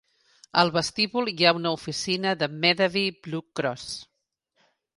Al vestíbul hi ha una oficina de Medavie Blue Cross.